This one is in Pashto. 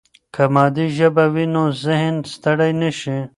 که مادي ژبه وي، نو ذهن ستړي نه وي.